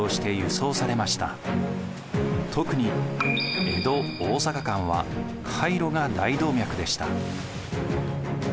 特に江戸大坂間は海路が大動脈でした。